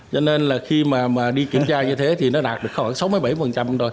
cho nên là khi mà đi kiểm tra như thế thì nó đạt được khoảng sáu mươi bảy rồi